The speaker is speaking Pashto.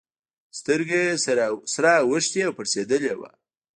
سترگه يې سره اوښتې او پړسېدلې وه.